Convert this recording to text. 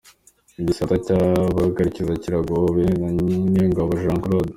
Igisata c'abahagarikizi kirongowe na Niyongabo Jean Claude.